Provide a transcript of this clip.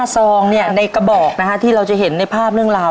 ๕ซองเนี่ยในกระบอกนะฮะที่เราจะเห็นในภาพเรื่องราว